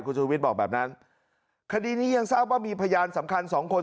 คุณชูวิทย์บอกแบบนั้นคดีนี้ยังทราบว่ามีพยานสำคัญสองคน